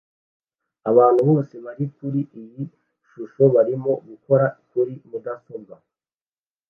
Abantu bose bari kuri iyi shusho barimo gukora kuri mudasobwa